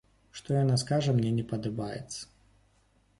Што яна скажа, мне не падабаецца.